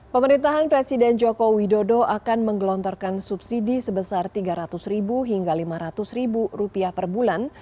pemerintahan presiden joko widodo akan menggelontorkan subsidi sebesar rp tiga ratus ribu hingga lima ratus per bulan